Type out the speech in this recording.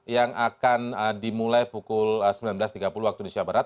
yang akan dimulai pukul sembilan belas tiga puluh waktu indonesia barat